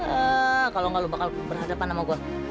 eee kalo ga lu bakal berhadapan sama gua